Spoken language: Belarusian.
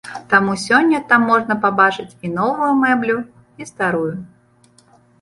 Таму сёння там можна пабачыць і новую мэблю, і старую.